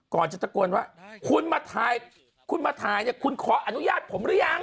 ก่อนจะตะโกนว่าคุณมาถ่ายคุณมาถ่ายเนี่ยคุณขออนุญาตผมหรือยัง